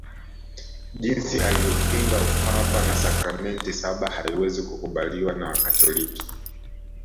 Jinsi alivyopinga Upapa na sakramenti saba haiwezi kukubaliwa na Wakatoliki